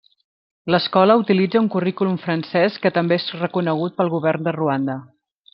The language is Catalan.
L'escola utilitza un currículum francès, que també és reconegut pel govern de Ruanda.